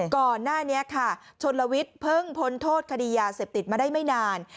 ก่อนหน้านี้ค่ะชนลวิทย์เพิ่งพ้นโทษคดียาเสพติดมาได้ไม่นาน